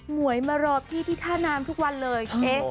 หมวยมารอพี่ที่ธานามทุกวันเลย